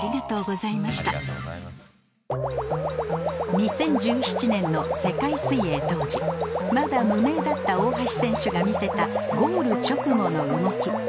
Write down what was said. ２０１７年の世界水泳当時まだ無名だった大橋選手が見せたゴール直後の動き